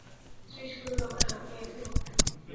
শ্রীশ কহিল, হাঁ, ঐ একটি মাত্র!